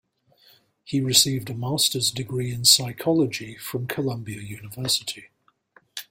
He received a Master's degree in psychology from Columbia University.